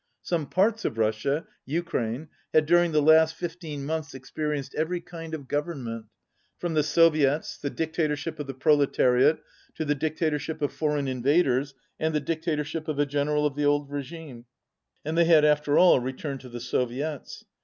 Some parts of Russia (Ukraine) had during the last fifteen months experienced every kind of govern ment, from the Soviets, the dictatorship of the pro letariat, to the dictatorship of foreign invaders and the dictatorship of a General of the old regime, and they had after all returned to the Soviets.